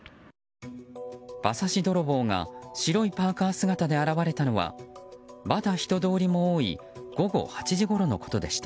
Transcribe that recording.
馬刺し泥棒が白いパーカ姿で現れたのはまだ人通りも多い午後８時ごろのことでした。